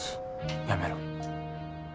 やめろ。